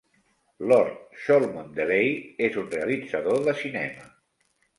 Lord Cholmondeley és un realitzador de cinema.